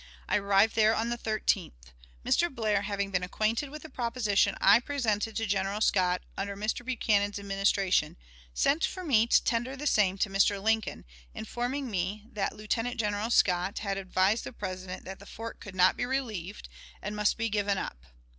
I arrived there on the 13th. Mr. Blair having been acquainted with the proposition I presented to General Scott, under Mr. Buchanan's Administration, sent for me to tender the same to Mr. Lincoln, informing me that Lieutenant General Scott had advised the President that the fort could not be relieved, and must be given up.